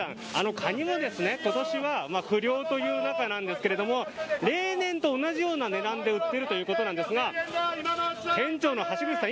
カニも、今年は不漁という中ですが例年と同じような値段で売っているということなんですが店長さん